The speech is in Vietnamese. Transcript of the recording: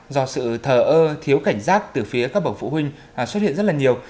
do sự thờ ơ thiếu cảnh giác từ phía các bậc phụ huynh xuất hiện rất là nhiều